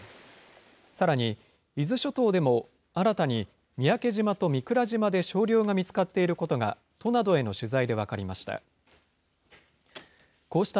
さらに、伊豆諸島でも新たに三宅島と御蔵島で少量が見つかっていることが、都などへの取材で分かりました。